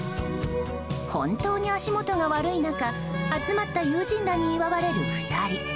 本当に足元が悪い中集まった友人らに祝われる２人。